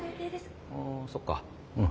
あそっかうん。